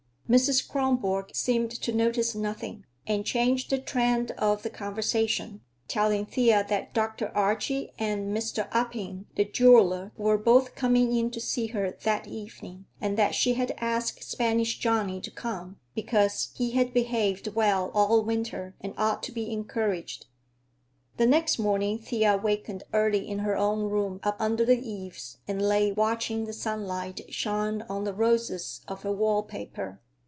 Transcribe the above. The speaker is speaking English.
Mrs. Kronborg seemed to notice nothing, and changed the trend of the conversation, telling Thea that Dr. Archie and Mr. Upping, the jeweler, were both coming in to see her that evening, and that she had asked Spanish Johnny to come, because he had behaved well all winter and ought to be encouraged. The next morning Thea wakened early in her own room up under the eaves and lay watching the sunlight shine on the roses of her wall paper.